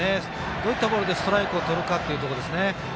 どういったボールでストライクをとるかというところですよね。